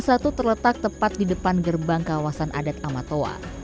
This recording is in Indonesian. sdn tiga ratus lima puluh satu terletak tepat di depan gerbang kawasan adat amatoa